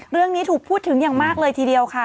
เรื่องนี้ถูกพูดถึงอย่างมากเลยทีเดียวค่ะ